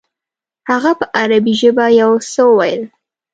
هغه په عربي ژبه یو څه وویل.